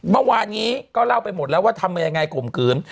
เมื่อวานนี้ก็เล่าไปหมดแล้วว่าทำยังไงข่มขืน